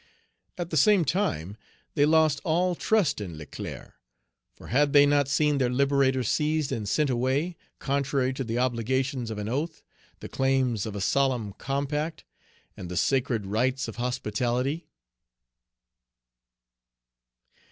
At the same time, they lost all trust in Leclerc; for had they not seen their Liberator seized and sent away, contrary to the obligations of an oath, the claims of a solemn compact, and the sacred rights of hospitality?